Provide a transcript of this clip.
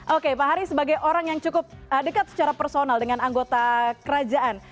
oke pak hari sebagai orang yang cukup dekat secara personal dengan anggota kerajaan